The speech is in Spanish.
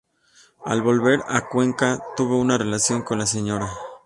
Al volver a Cuenca, tuvo una relación con la Sra.